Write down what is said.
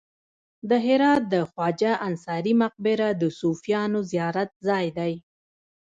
د هرات د خواجه انصاري مقبره د صوفیانو زیارت ځای دی